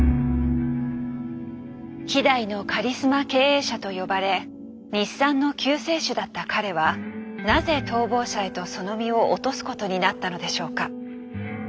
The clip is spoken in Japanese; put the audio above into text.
希代のカリスマ経営者と呼ばれ日産の救世主だった彼はなぜ逃亡者へとその身を落とすことになったのでしょうか？